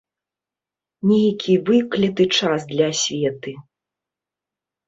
Нейкі выкляты час для асветы.